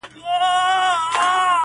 • ها ښکلې که هر څومره ما وغواړي.